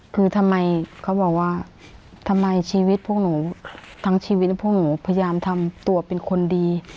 คือทำไมเขาบอกว่าทำไมชีวิตพวกหนูทั้งชีวิตพวกหนูพยายามทำตัวเป็นคนดี